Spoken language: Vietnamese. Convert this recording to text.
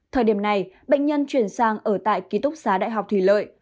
thời điểm này bệnh nhân chuyển sang ở tại ký túc xá đại học thủy lợi